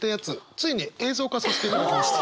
ついに映像化させていただきました。